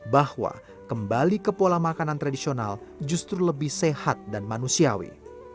bahwa kembali ke pola makanan tradisional justru lebih sehat dan manusiawi